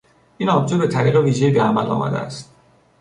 این آبجو به طریق ویژهای به عمل آمده است.